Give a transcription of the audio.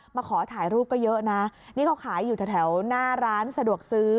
มาขอถ่ายรูปก็เยอะนะนี่เขาขายอยู่แถวหน้าร้านสะดวกซื้อ